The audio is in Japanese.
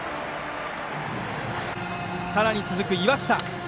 さらに続く岩下。